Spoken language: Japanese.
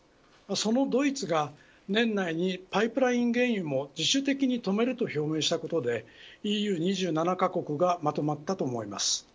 そのドイツが年内にパイプライン原油を自主的に止めると表明したことでＥＵ２７カ国がまとまったと思われます。